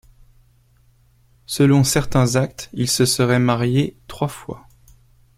Selon certains actes, il se serait marié trois fois.